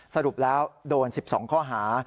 สรุปแล้วโดน๑๒ข้อหา